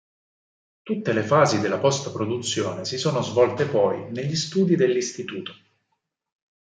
Tutte le fasi della post-produzione si sono svolte poi negli studi dell'istituto.